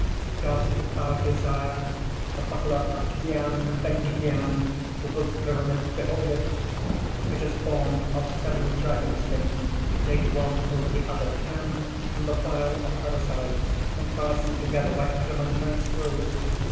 _) "Dost thou desire the buckler of Dgian ben Dgian, who built the pyramids? behold it! It is formed of seven dragon skins laid one over the other, tanned in the bile of parricides, and fastened together by adamantine screws.